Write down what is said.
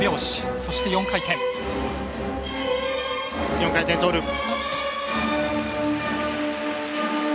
４回転トーループ。